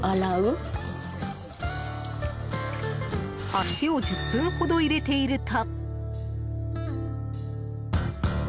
足を１０分ほど入れていると。